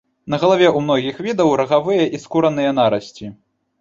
На галаве ў многіх відаў рагавыя і скураныя нарасці.